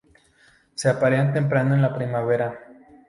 Se aparean temprano en la primavera.